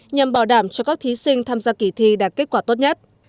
nhằm bảo đảm cho các thí sinh tham gia kỳ thi đạt kết quả tốt nhất